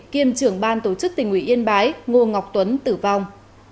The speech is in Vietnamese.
kiêm trưởng ban tổ chức tỉnh ủy yên bái ngô ngọc tuấn tử vong